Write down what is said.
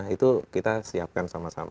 itu kita bisa melihatnya gitu ya